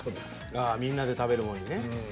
ああみんなで食べるもんにね。